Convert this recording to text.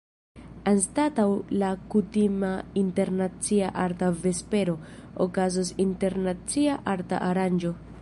Anstataŭ la kutima Internacia Arta Vespero, okazos “Internacia Arta Aranĝo”.